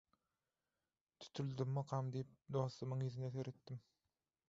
Tutuldymmykam diýip dostumyň ýüzüne seretdim.